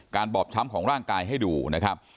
บอบช้ำของร่างกายให้ดูนะครับ